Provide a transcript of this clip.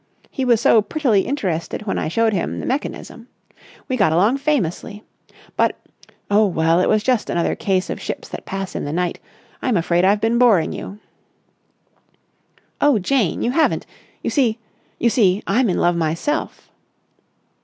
He was so prettily interested when I showed him the mechanism. We got along famously. But—oh, well, it was just another case of ships that pass in the night—I'm afraid I've been boring you." "Oh, Jane! You haven't! You see ... you see, I'm in love myself."